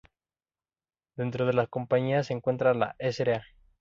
Dentro de la compañía se encuentra la Sra.